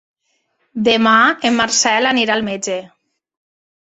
Demà en Marcel anirà al metge.